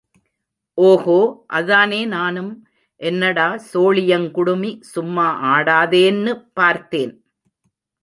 ஓகோ அதானே நானும் என்னடா சோழியங் குடுமி சும்மா ஆடாதேன்னு பார்த்தேன்.